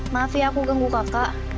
mafia aku genggu kakak